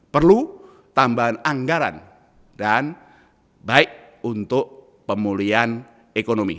perlu tambahan anggaran dan baik untuk pemulihan ekonomi